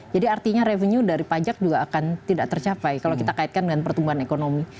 jadi artinya revenue dari pajak juga akan tidak tercapai kalau kita kaitkan dengan pertumbuhan ekonomi